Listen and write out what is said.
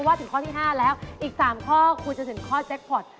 ถึงข้อที่๕แล้วอีก๓ข้อคุณจะถึงข้อแจ็คพอร์ต